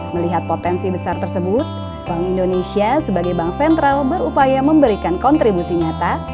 melihat potensi besar tersebut bank indonesia sebagai bank sentral berupaya memberikan kontribusi nyata